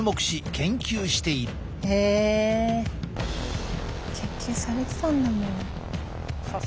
研究されてたんだもう。